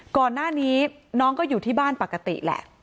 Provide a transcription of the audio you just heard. ก่อนหน้านี้น้องก็อยู่ที่บ้านปกติแหละ